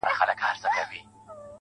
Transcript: • سيدې يې نورو دې څيښلي او اوبه پاتې دي_